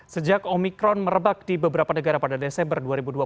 sejak omikron merebak di beberapa negara pada desember dua ribu dua puluh